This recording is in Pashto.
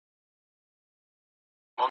ټولنپوهنه انسان ته د لید پراخ افق ورکوي.